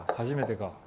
初めてか。